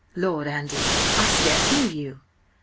"Lord, Andy! I scarce knew you!"